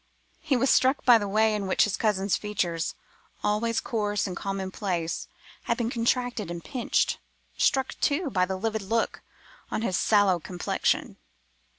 He was struck by the way in which his cousin's features—always coarse and common place—had become contracted and pinched; struck, too, by the livid look on his sallow complexion.